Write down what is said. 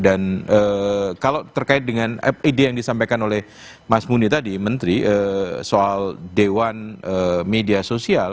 dan kalau terkait dengan ide yang disampaikan oleh mas mune tadi menteri soal dewan media sosial